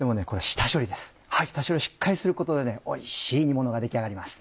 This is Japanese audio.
下処理をしっかりすることでおいしい煮ものが出来上がります。